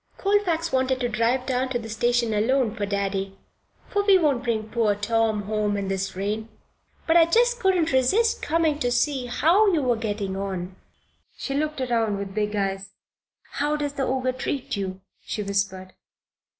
"Colfax wanted to drive down to the station alone for Daddy for we won't bring poor Tom home in this rain but I just couldn't resist coming to see how you were getting on." She looked around with big eyes. "How does the Ogre treat you?" she whispered.